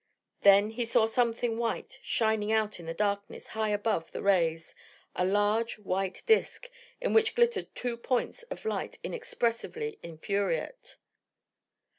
Then he saw something white shining out of the darkness high above the rays, a large white disk, in which glittered two points of light inexpressibly infuriate.